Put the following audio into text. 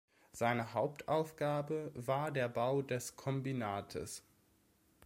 Seine Hauptaufgabe war der Bau des Kombinates.